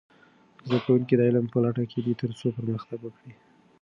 زده کوونکي د علم په لټه کې دي ترڅو پرمختګ وکړي.